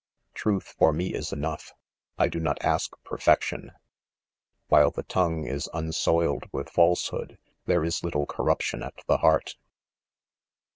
Truth for me, is enough. . I do not ask perfection. "] While the tongue is unsoUed with [falsehood, there is little corruption at the heart.